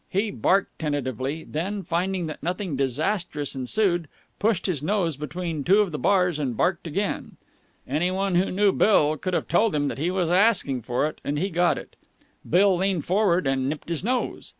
He barked tentatively, then, finding that nothing disastrous ensued, pushed his nose between two of the bars and barked again. Any one who knew Bill could have told him that he was asking for it, and he got it. Bill leaned forward and nipped his nose.